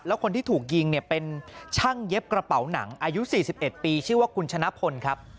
แล้วคนที่ถูกยิงเนี่ยเป็นช่างเย็บกระเป๋าหนังอายุ๔๑ปีชื่อว่าคุณชนะพลครับ